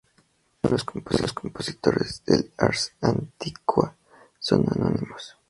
Casi todos los compositores del "ars antiqua" son anónimos.